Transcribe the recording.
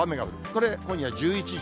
これ、今夜１１時。